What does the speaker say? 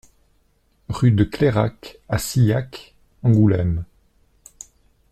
Rue de Clérac à Sillac, Angoulême